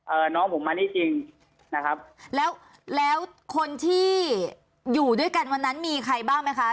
น้องผมมานี่จริงนะครับแล้วแล้วคนที่อยู่ด้วยกันวันนั้นมีใครบ้างไหมคะ